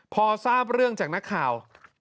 พอทราบเรื่องจากนักข่าว